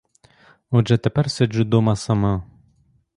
Отже, тепер сиджу дома сама.